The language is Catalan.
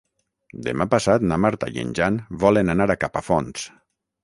Demà passat na Marta i en Jan volen anar a Capafonts.